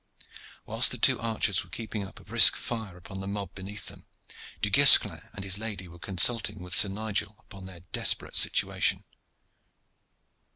Whilst the two archers were keeping up a brisk fire upon the mob beneath them, Du Guesclin and his lady were consulting with Sir Nigel upon their desperate situation.